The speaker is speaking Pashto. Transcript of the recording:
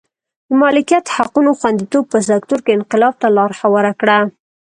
د مالکیت حقونو خوندیتوب په سکتور کې انقلاب ته لار هواره کړه.